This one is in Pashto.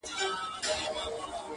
• هم کاغذ هم یې قلم ورته پیدا کړ -